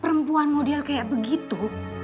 perempuan model kayak begitu